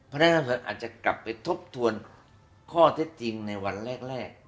พนักงานส่วนอาจจะกลับไปทบทวนข้อเท็จจริงในวันแรก